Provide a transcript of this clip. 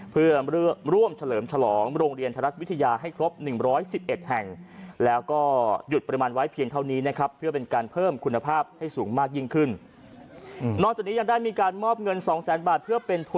เพื่อร่วมเฉลิมฉลองโรงเรียนไทยรัฐวิทยาให้ครบ๑๑๑แห่ง